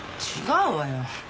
違うわよ。